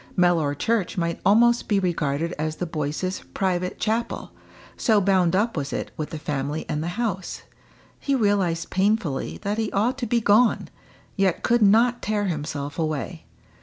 Mellor church might almost be regarded as the Boyces' private chapel, so bound up was it with the family and the house. He realised painfully that he ought to be gone yet could not tear himself away.